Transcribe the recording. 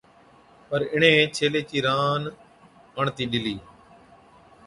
پر اِڻَھين ڇيلي چِي ران آڻتِي ڏِلِي